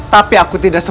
tapi aku tidak sempat